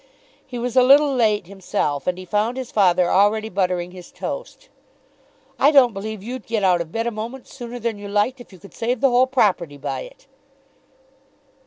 He was a little late himself, and he found his father already buttering his toast. "I don't believe you'd get out of bed a moment sooner than you liked if you could save the whole property by it."